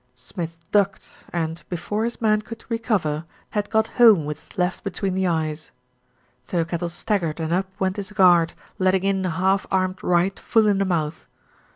Smith ducked and, before his man could recover, had got home with his left be tween the eyes. Thirkettle staggered and up went his guard, letting in a half armed right full in the mouth.